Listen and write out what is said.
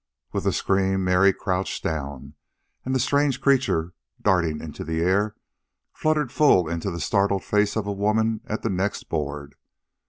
With the scream, Mary crouched down, and the strange creature, darting into the air, fluttered full into the startled face of a woman at the next board.